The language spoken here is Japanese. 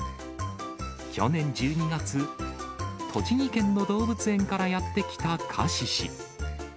去年１２月、栃木県の動物園からやって来たカシシ。